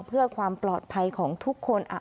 เพื่อความปลอดภัยของทุกคน